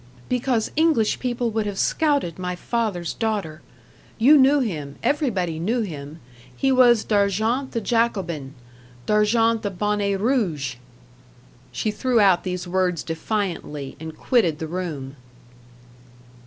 "Because English people would have scouted my father's daughter. You knew him everybody knew him he was D'Argent the Jacobin D'Argent the Bonnet Rouge." She threw out these words defiantly, and quitted the room.